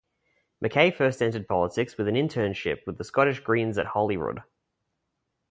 Mackay first entered politics with an internship with the Scottish Greens at Holyrood.